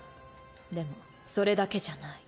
でもそれだけじゃない。